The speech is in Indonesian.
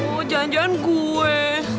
oh jangan jangan gue